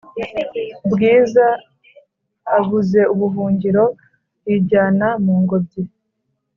bwiza abuze ubuhungiro yijyana mungobyi